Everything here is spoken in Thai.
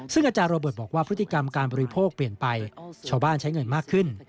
ซึ่งอาจารย์โรเบิร์ตบอกว่าพฤติกรรมการบริโภคเปลี่ยนไปชาวบ้านใช้เงินมากขึ้น